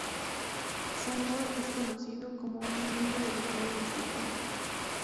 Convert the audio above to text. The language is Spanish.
Cyborg es conocido como un miembro de los Jóvenes Titanes.